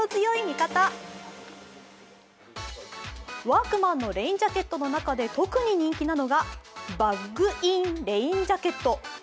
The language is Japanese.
ワークマンのレインジャケットの中で特に人気なのがバッグインレインジャケット。